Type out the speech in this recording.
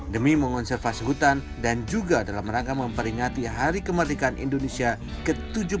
demi mengonservasi hutan dan juga dalam rangka memperingati hari kemerdekaan indonesia ke tujuh puluh tiga